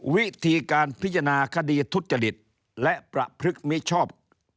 วิธีการพิจารณาคดีทุจริตและประพฤกษมิชอบ